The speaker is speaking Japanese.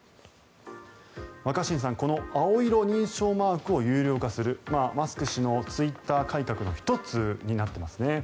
若新さん、この青色認証マークを有料化するマスク氏のツイッター改革の一つになってますね。